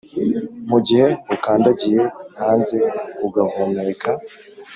mugihe ukandagiye hanze ugahumeka.